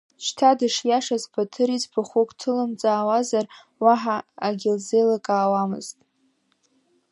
Шьҭа дышиашаз Баҭыр иӡбахәык ҭылымҵаауазар, уаҳа агьылзеилкаауамызт.